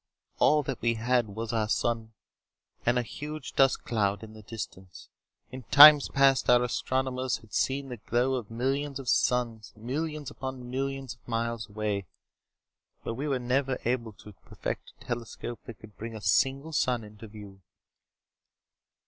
All that we had was our sun and a huge dust cloud in the distance. In times past, our astronomers had seen the glow of millions of suns, millions upon millions of miles away. But we were never able to perfect a telescope that could bring a single sun into view.